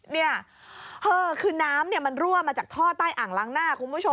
นี่คือน้ำมันรั่วมาจากท่อใต้อ่างล้างหน้าคุณผู้ชม